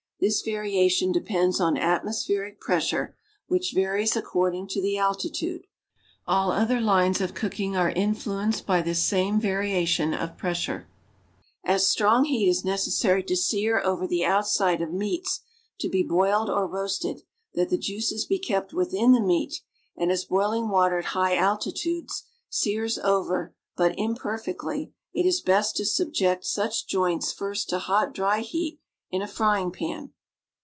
This variation de pends on atmospheric pressure, which varies according to the alti tude. All other lines of cooking are influenced by this same variation of pressure. As sLrorig lieat is necessary to sear over the outside of meats to be boiled or roasted, that the juices be kept within the meat, and as boiling water at high altitudes sears over but imperfectly, it is best to subject such joints first to hot, dry heat in a frying pan.